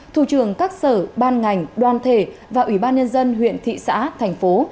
thủ trường các sở ban ngành đoàn thể và ủy ban nhân dân huyện thị xã thành phố